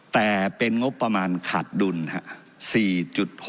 แต่เป็นงบประมาณขาดดุลครับ